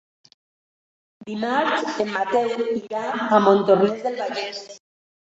Dimarts en Mateu irà a Montornès del Vallès.